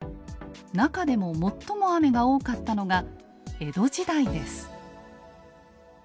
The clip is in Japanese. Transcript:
中でも最も雨が多かったのが江戸時代です。